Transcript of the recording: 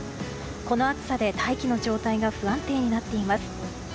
この暑さで大気の状態が不安定になっています。